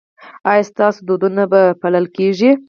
ایا ستاسو دودونه به پالل کیږي؟